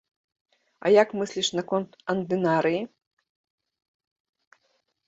А як мысліш наконт андынарыі?